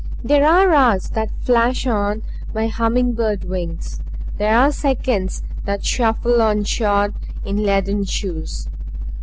There are hours that flash by on hummingbird wings; there are seconds that shuffle on shod in leaden shoes.